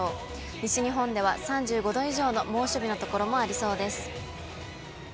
西日本では３５度以上の猛暑日の所もありそうです。